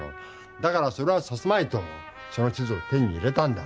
だからそれはさせまいとその地図を手に入れたんだ。